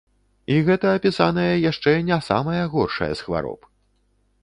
І гэта апісаная яшчэ не самая горшая з хвароб!